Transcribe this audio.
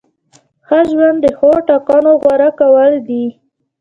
ښه ژوند د ښو ټاکنو غوره کول دي.